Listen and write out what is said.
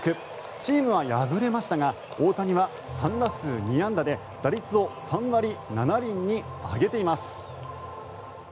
チームは敗れましたが大谷は３打数２安打で打率を３割７厘に上げています。